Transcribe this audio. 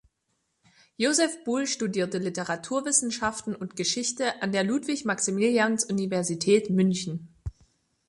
Joseph Buhl studierte Literaturwissenschaften und Geschichte an der Ludwig-Maximilians-Universität München.